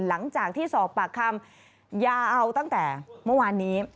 หลังจากที่สอบปากคำยาวเอาตั้งแต่เมื่อวานนี้